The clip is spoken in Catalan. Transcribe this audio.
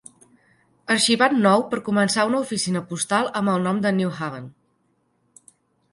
Arxivat nou per començar una oficina postal amb el nom de New Haven.